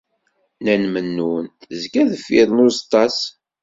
Nna Mennun tezga deffir n uẓeṭṭa-s.